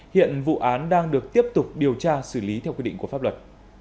hiện vụ án đang được tiếp tục điều tra xử lý theo quy định của pháp luật